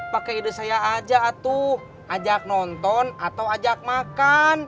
pakai ide saya aja atuh ajak nonton atau ajak makan